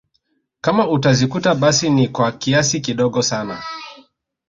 Kama utazikuta basi ni kwa kiasi kidogo sana